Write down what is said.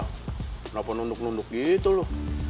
kenapa nunduk nunduk gitu loh